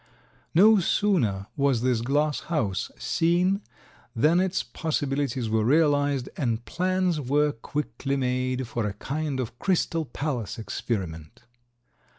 No sooner was this glass house seen than its possibilities were realized and plans were quickly made for a kind of crystal palace experiment.